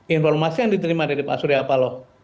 informasi yang diterima dari pak surya paloh